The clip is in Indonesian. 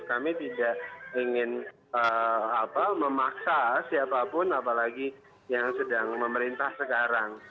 kami tidak ingin memaksa siapapun apalagi yang sedang memerintah sekarang